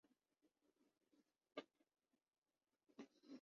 حکومت ملکی پیداوار کی شرح بڑھانے کیلئے اقدامات کر رہی ہےہارون اختر